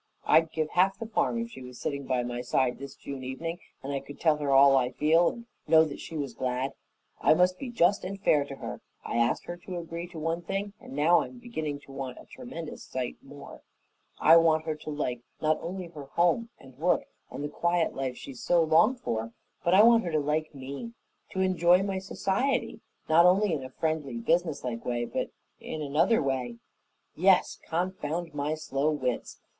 I'd give half the farm if she was sitting by my side this June evening and I could tell her all I feel and know she was glad. I must be just and fair to her. I asked her to agree to one thing and now I'm beginning to want a tremendous sight more I want her to like not only her home and work and the quiet life she so longed for, but I want her to like me, to enjoy my society, not only in a friendly, businesslike way, but in another way yes, confound my slow wits!